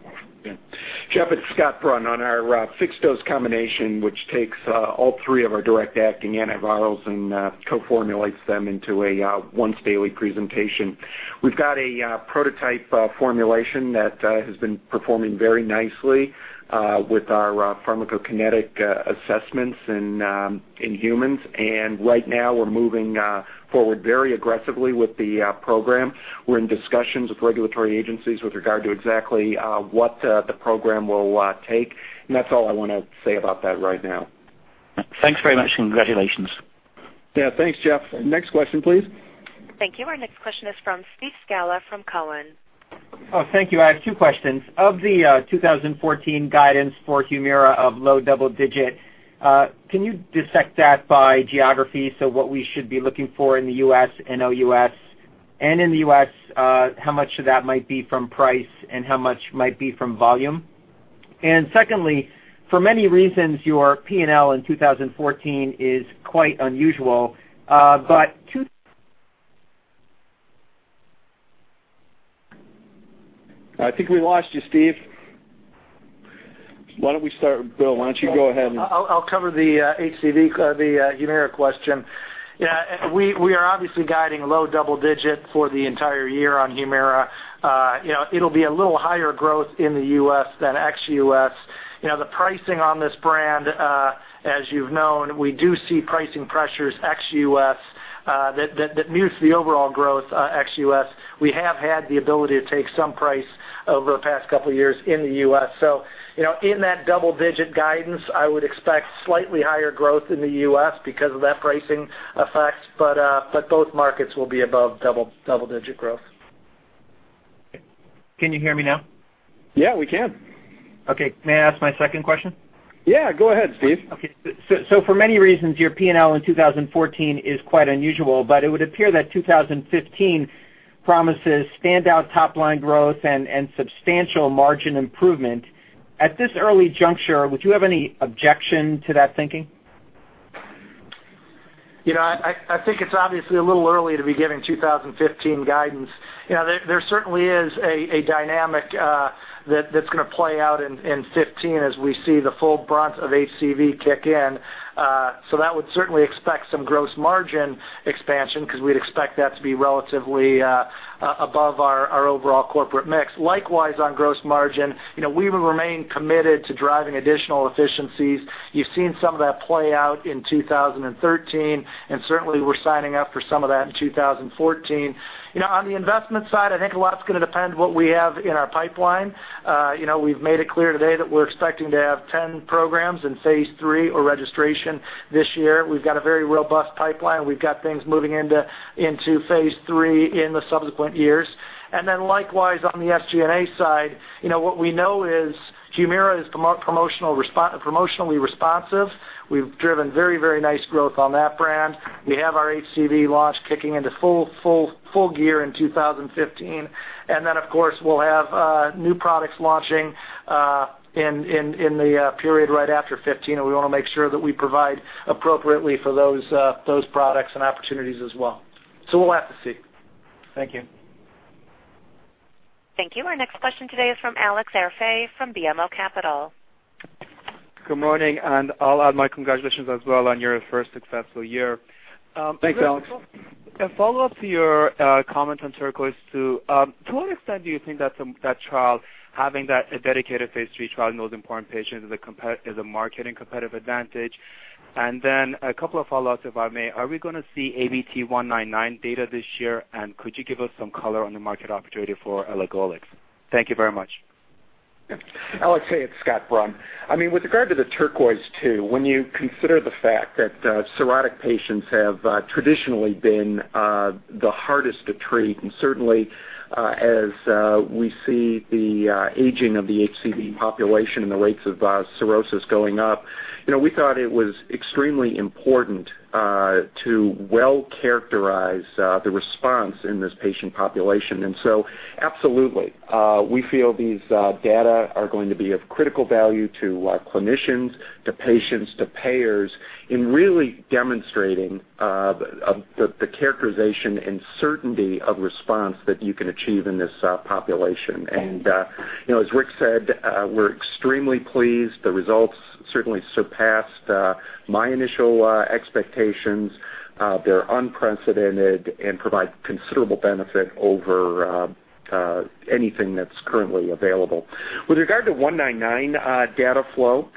Speaker 7: Jeff, it's Scott Brun. On our fixed dose combination, which takes all three of our direct acting antivirals and co-formulates them into a once-daily presentation. We've got a prototype formulation that has been performing very nicely with our pharmacokinetic assessments in humans. Right now we're moving forward very aggressively with the program. We're in discussions with regulatory agencies with regard to exactly what the program will take, that's all I want to say about that right now.
Speaker 6: Thanks very much. Congratulations.
Speaker 3: Yeah. Thanks, Jeff. Next question, please.
Speaker 1: Thank you. Our next question is from Steve Scala from Cowen.
Speaker 8: Oh, thank you. I have two questions. Of the 2014 guidance for HUMIRA of low double digit, can you dissect that by geography so what we should be looking for in the U.S. and OUS? In the U.S., how much of that might be from price and how much might be from volume? Secondly, for many reasons, your P&L in 2014 is quite unusual.
Speaker 3: I think we lost you, Steve. Why don't we start with Bill? Why don't you go ahead and-
Speaker 4: I'll cover the HCV, the HUMIRA question. We are obviously guiding low double-digit for the entire year on HUMIRA. It'll be a little higher growth in the U.S. than ex-U.S. The pricing on this brand, as you've known, we do see pricing pressures ex-U.S. that mutes the overall growth ex-U.S. We have had the ability to take some price over the past couple of years in the U.S. In that double-digit guidance, I would expect slightly higher growth in the U.S. because of that pricing effect, but both markets will be above double-digit growth.
Speaker 8: Can you hear me now?
Speaker 3: Yeah, we can.
Speaker 8: Okay. May I ask my second question?
Speaker 3: Yeah, go ahead, Steve.
Speaker 8: Okay. For many reasons, your P&L in 2014 is quite unusual, but it would appear that 2015 promises standout top-line growth and substantial margin improvement. At this early juncture, would you have any objection to that thinking?
Speaker 4: I think it's obviously a little early to be giving 2015 guidance. There certainly is a dynamic that's going to play out in 2015 as we see the full brunt of HCV kick in. That would certainly expect some gross margin expansion because we'd expect that to be relatively above our overall corporate mix. Likewise, on gross margin, we will remain committed to driving additional efficiencies. You've seen some of that play out in 2013, and certainly we're signing up for some of that in 2014. On the investment side, I think a lot's going to depend what we have in our pipeline. We've made it clear today that we're expecting to have 10 programs in phase III or registration this year. We've got a very robust pipeline. We've got things moving into phase III in the subsequent years. Likewise, on the SG&A side, what we know is HUMIRA is promotionally responsive. We've driven very nice growth on that brand. We have our HCV launch kicking into full gear in 2015. Of course, we'll have new products launching in the period right after 2015, we want to make sure that we provide appropriately for those products and opportunities as well. We'll have to see.
Speaker 8: Thank you.
Speaker 1: Thank you. Our next question today is from Alex Arfaei from BMO Capital.
Speaker 9: Good morning, I'll add my congratulations as well on your first successful year. Thanks, Alex. A follow-up to your comment on TURQUOISE-II. To what extent do you think that trial, having that dedicated phase III trial in those important patients is a marketing competitive advantage? A couple of follow-ups, if I may. Are we going to see ABT-199 data this year? Could you give us some color on the market opportunity for elagolix? Thank you very much.
Speaker 7: Alex, it's Scott Brun. With regard to the TURQUOISE-II, when you consider the fact that cirrhotic patients have traditionally been the hardest to treat, certainly as we see the aging of the HCV population and the rates of cirrhosis going up, we thought it was extremely important to well-characterize the response in this patient population. Absolutely, we feel these data are going to be of critical value to clinicians, to patients, to payers in really demonstrating the characterization and certainty of response that you can achieve in this population. As Rick said, we're extremely pleased. The results certainly surpassed my initial expectations. They're unprecedented and provide considerable benefit over anything that's currently available. With regard to 199 data flow,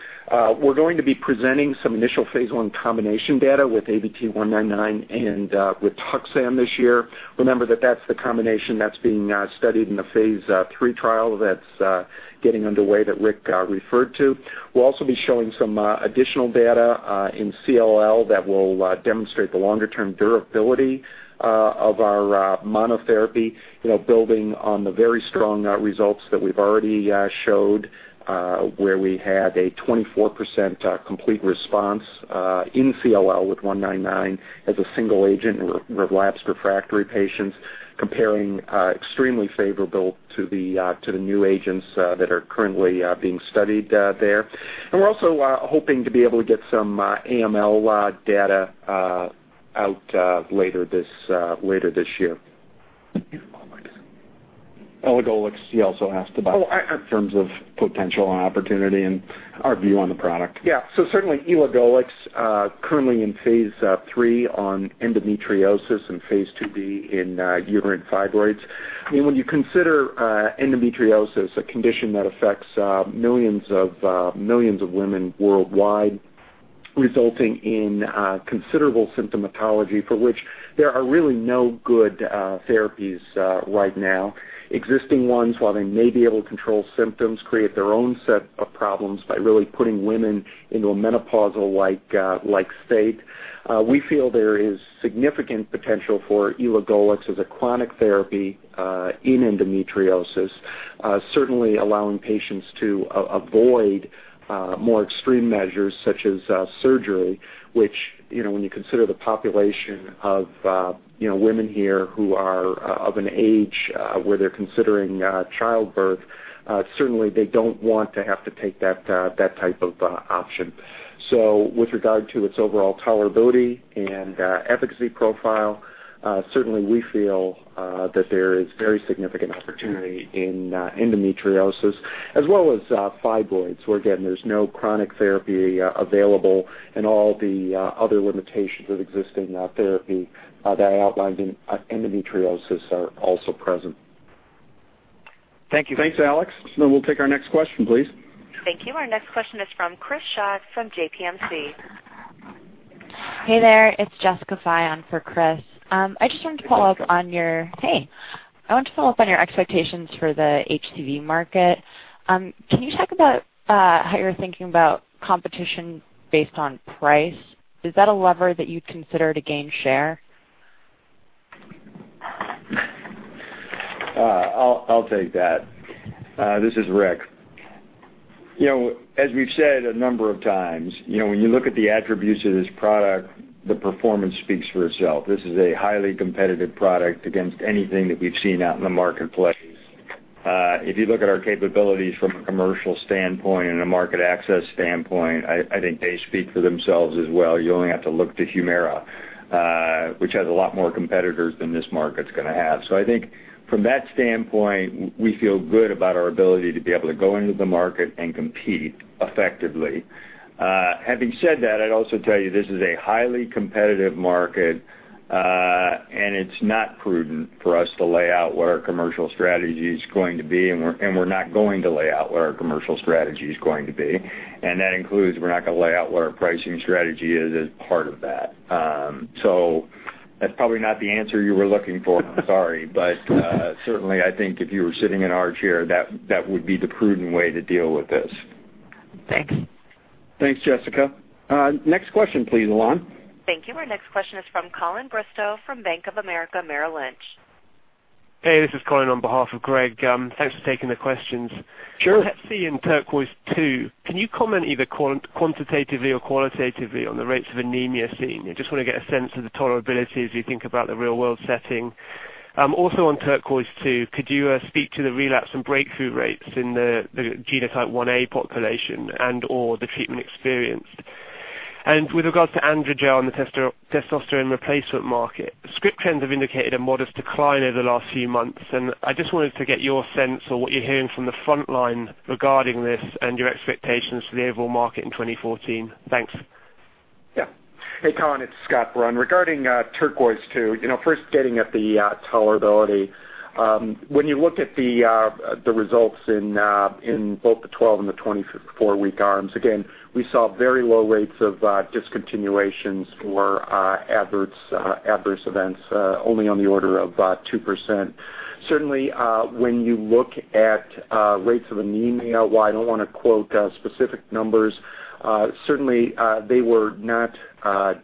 Speaker 7: we're going to be presenting some initial phase I combination data with ABT-199 and with taxane this year. Remember that that's the combination that's being studied in the phase III trial that's getting underway that Rick referred to. We'll also be showing some additional data in CLL that will demonstrate the longer-term durability of our monotherapy, building on the very strong results that we've already showed, where we had a 24% complete response in CLL with 199 as a single agent in relapsed refractory patients, comparing extremely favorable to the new agents that are currently being studied there. We're also hoping to be able to get some AML data out later this year. Elagolix. Elagolix, he also asked about in terms of potential and opportunity and our view on the product. Yeah. Certainly Elagolix, currently in phase III on endometriosis and phase II-B in uterine fibroids. When you consider endometriosis, a condition that affects millions of women worldwide, resulting in considerable symptomatology for which there are really no good therapies right now. Existing ones, while they may be able to control symptoms, create their own set of problems by really putting women into a menopausal-like state. We feel there is significant potential for elagolix as a chronic therapy in endometriosis, certainly allowing patients to avoid more extreme measures such as surgery, which when you consider the population of women here who are of an age where they're considering childbirth, certainly they don't want to have to take that type of option. With regard to its overall tolerability and efficacy profile, certainly we feel that there is very significant opportunity in endometriosis as well as fibroids, where again, there's no chronic therapy available, and all the other limitations of existing therapy that I outlined in endometriosis are also present. Thank you. Thanks, Alex. We'll take our next question, please.
Speaker 1: Thank you. Our next question is from Chris Schott from JPMC.
Speaker 10: Hey there, it's Jessica Fye for Chris.
Speaker 3: Hey, Jessica.
Speaker 10: Hey. I want to follow up on your expectations for the HCV market. Can you talk about how you're thinking about competition based on price? Is that a lever that you'd consider to gain share?
Speaker 3: I'll take that. This is Rick. As we've said a number of times, when you look at the attributes of this product, the performance speaks for itself. This is a highly competitive product against anything that we've seen out in the marketplace. If you look at our capabilities from a commercial standpoint and a market access standpoint, I think they speak for themselves as well. You only have to look to Humira, which has a lot more competitors than this market's going to have. I think from that standpoint, we feel good about our ability to be able to go into the market and compete effectively. Having said that, I'd also tell you this is a highly competitive market, and it's not prudent for us to lay out what our commercial strategy is going to be, and we're not going to lay out what our commercial strategy is going to be. That includes, we're not going to lay out what our pricing strategy is as part of that. That's probably not the answer you were looking for, I'm sorry. Certainly, I think if you were sitting in our chair, that would be the prudent way to deal with this.
Speaker 10: Thanks.
Speaker 3: Thanks, Jessica. Next question please, Elan.
Speaker 1: Thank you. Our next question is from Colin Bristow from Bank of America Merrill Lynch.
Speaker 11: Hey, this is Colin on behalf of Gregg. Thanks for taking the questions.
Speaker 3: Sure.
Speaker 11: Hep C and TURQUOISE-II, can you comment either quantitatively or qualitatively on the rates of anemia seen? I just want to get a sense of the tolerability as you think about the real-world setting. Also on TURQUOISE-II, could you speak to the relapse and breakthrough rates in the genotype 1a population and/or the treatment experience? With regards to AndroGel and the testosterone replacement market, script trends have indicated a modest decline over the last few months, and I just wanted to get your sense of what you're hearing from the front line regarding this and your expectations for the overall market in 2014. Thanks.
Speaker 7: Yeah. Hey, Colin, it's Scott Brun. Regarding TURQUOISE-II, first getting at the tolerability. When you look at the results in both the 12 and the 24-week arms, again, we saw very low rates of discontinuations for adverse events, only on the order of 2%. Certainly, when you look at rates of anemia, while I don't want to quote specific numbers, certainly they were not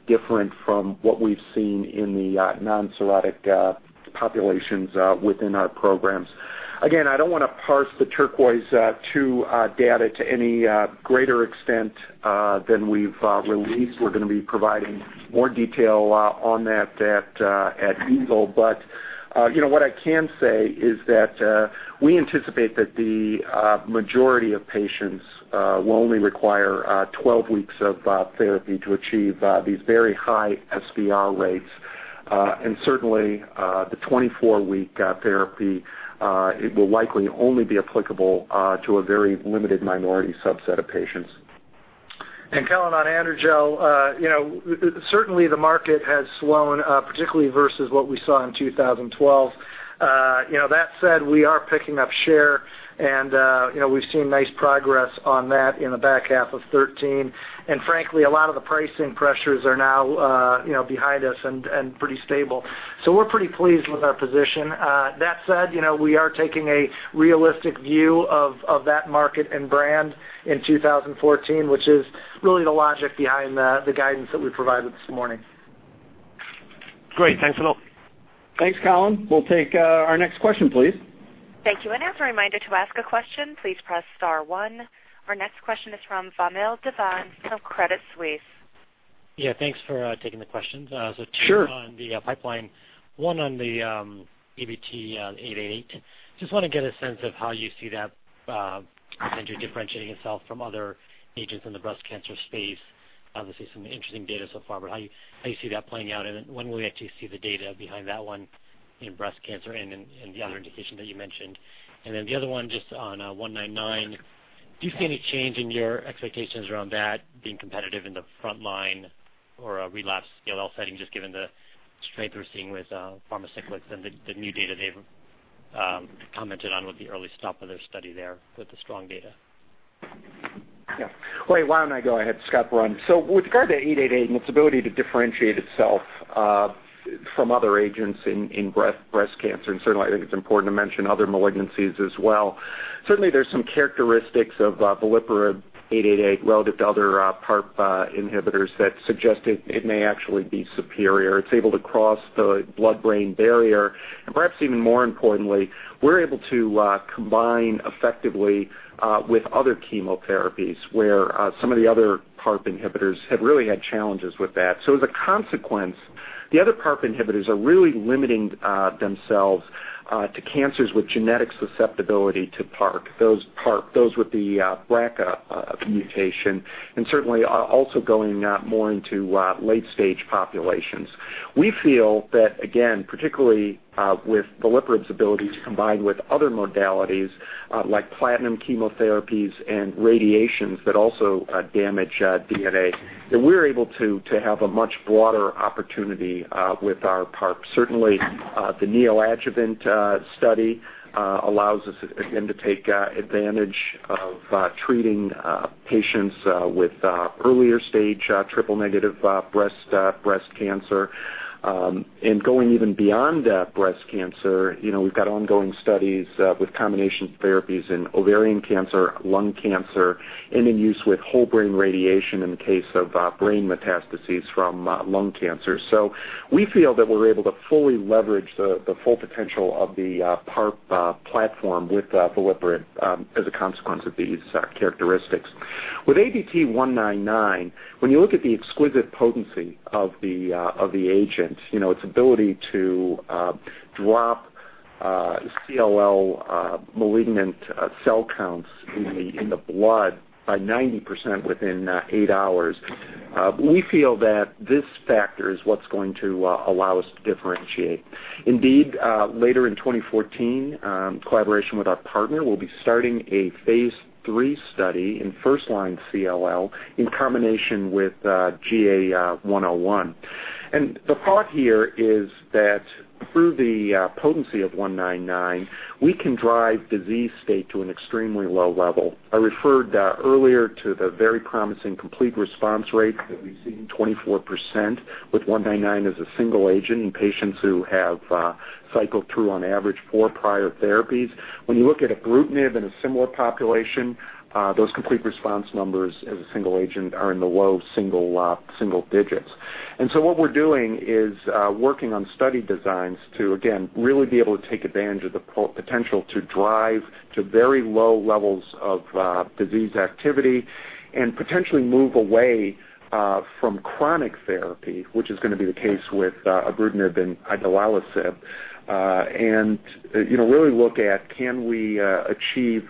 Speaker 7: different from what we've seen in the non-cirrhotic populations within our programs. Again, I don't want to parse the TURQUOISE-II data to any greater extent than we've released. We're going to be providing more detail on that at EASL, but what I can say is that we anticipate that the majority of patients will only require 12 weeks of therapy to achieve these very high SVR rates. Certainly, the 24-week therapy, it will likely only be applicable to a very limited minority subset of patients.
Speaker 4: Colin, on AndroGel, certainly the market has slowed, particularly versus what we saw in 2012. That said, we are picking up share, and we've seen nice progress on that in the back half of 2013. Frankly, a lot of the pricing pressures are now behind us and pretty stable. We're pretty pleased with our position. That said, we are taking a realistic view of that market and brand in 2014, which is really the logic behind the guidance that we provided this morning.
Speaker 11: Great. Thanks a lot.
Speaker 2: Thanks, Colin. We'll take our next question, please.
Speaker 1: Thank you. As a reminder to ask a question, please press star 1. Our next question is from Vamil Divan from Credit Suisse.
Speaker 12: Yeah, thanks for taking the questions.
Speaker 3: Sure.
Speaker 12: Two on the pipeline, one on the ABT-888. Just want to get a sense of how you see that agent differentiating itself from other agents in the breast cancer space. Obviously, some interesting data so far, but how you see that playing out, and when will we actually see the data behind that one in breast cancer and the other indication that you mentioned? The other one, just on 199. Do you see any change in your expectations around that being competitive in the frontline or a relapse CLL setting, just given the strength we're seeing with Pharmacyclics and the new data they've commented on with the early stop of their study there with the strong data?
Speaker 7: Yeah. Clay, why don't I go ahead? Scott Brun. With regard to 888 and its ability to differentiate itself from other agents in breast cancer, and certainly, I think it's important to mention other malignancies as well. Certainly, there's some characteristics of veliparib 888 relative to other PARP inhibitors that suggest it may actually be superior. It's able to cross the blood-brain barrier. Perhaps even more importantly, we're able to combine effectively with other chemotherapies, where some of the other PARP inhibitors have really had challenges with that. As a consequence, the other PARP inhibitors are really limiting themselves to cancers with genetic susceptibility to PARP, those with the BRCA mutation, and certainly, also going more into late-stage populations. We feel that, again, particularly with veliparib's ability to combine with other modalities like platinum chemotherapies and radiations that also damage DNA, that we're able to have a much broader opportunity with our PARP. Certainly, the neoadjuvant study allows us, again, to take advantage of treating patients with earlier stage triple-negative breast cancer. Going even beyond breast cancer, we've got ongoing studies with combination therapies in ovarian cancer, lung cancer, and in use with whole brain radiation in the case of brain metastases from lung cancer. We feel that we're able to fully leverage the full potential of the PARP platform with veliparib as a consequence of these characteristics. With ABT-199, when you look at the exquisite potency of the agent, its ability to drop CLL malignant cell counts in the blood by 90% within eight hours, we feel that this factor is what's going to allow us to differentiate. Indeed, later in 2014, collaboration with our partner will be starting a phase III study in first-line CLL in combination with GA101. The thought here is that through the potency of 199, we can drive disease state to an extremely low level. I referred earlier to the very promising complete response rate that we've seen, 24%, with 199 as a single agent in patients who have cycled through, on average, four prior therapies. When you look at ibrutinib in a similar population, those complete response numbers as a single agent are in the low single digits. What we're doing is working on study designs to, again, really be able to take advantage of the potential to drive to very low levels of disease activity and potentially move away from chronic therapy, which is going to be the case with ibrutinib and idelalisib, and really look at can we achieve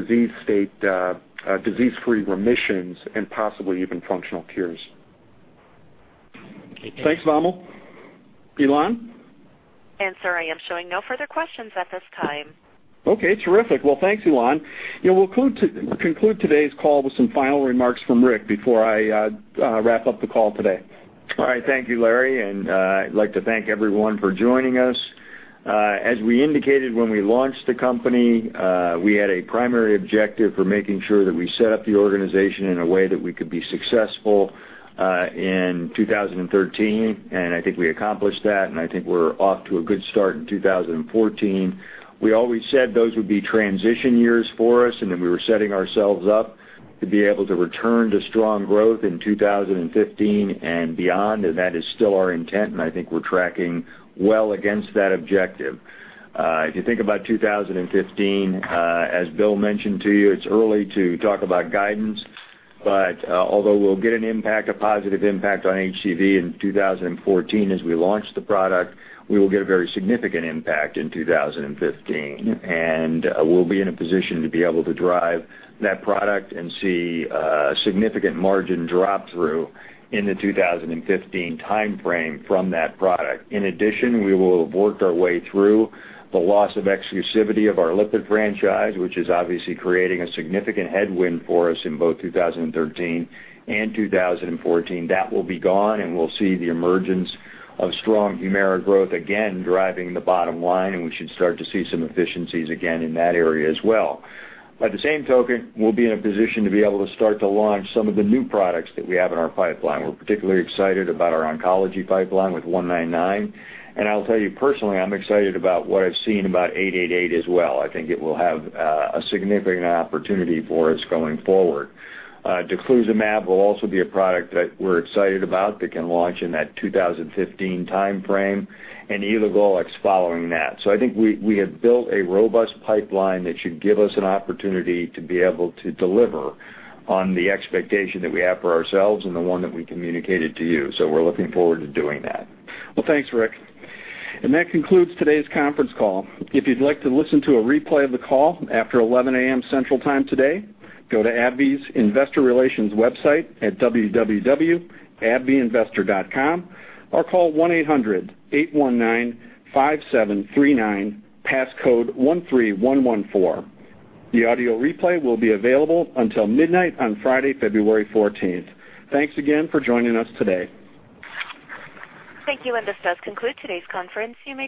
Speaker 7: disease-free remissions and possibly even functional cures.
Speaker 2: Thanks, Vamil. Elan?
Speaker 1: Sir, I am showing no further questions at this time.
Speaker 2: Okay, terrific. Well, thanks, Elan. We'll conclude today's call with some final remarks from Rick before I wrap up the call today.
Speaker 3: All right. Thank you, Larry, I'd like to thank everyone for joining us. As we indicated when we launched the company, we had a primary objective for making sure that we set up the organization in a way that we could be successful in 2013, I think we accomplished that, I think we're off to a good start in 2014. We always said those would be transition years for us, that we were setting ourselves up to be able to return to strong growth in 2015 and beyond, that is still our intent, I think we're tracking well against that objective. If you think about 2015, as Bill mentioned to you, it's early to talk about guidance, although we'll get a positive impact on HCV in 2014 as we launch the product, we will get a very significant impact in 2015. We'll be in a position to be able to drive that product and see a significant margin drop-through in the 2015 timeframe from that product. In addition, we will have worked our way through the loss of exclusivity of our lipid franchise, which is obviously creating a significant headwind for us in both 2013 and 2014. That will be gone, we'll see the emergence of strong HUMIRA growth, again, driving the bottom line, we should start to see some efficiencies again in that area as well. By the same token, we'll be in a position to be able to start to launch some of the new products that we have in our pipeline. We're particularly excited about our oncology pipeline with 199. I'll tell you, personally, I'm excited about what I've seen about 888 as well. I think it will have a significant opportunity for us going forward. daclizumab will also be a product that we're excited about that can launch in that 2015 timeframe, elagolix following that. I think we have built a robust pipeline that should give us an opportunity to be able to deliver on the expectation that we have for ourselves and the one that we communicated to you. We're looking forward to doing that.
Speaker 2: Well, thanks, Rick. That concludes today's conference call. If you'd like to listen to a replay of the call after 11:00 A.M. Central Time today, go to AbbVie's investor relations website at www.abbvieinvestor.com or call 1-800-819-5739, passcode 13114. The audio replay will be available until midnight on Friday, February 14th. Thanks again for joining us today.
Speaker 1: Thank you. This does conclude today's conference. You may dis-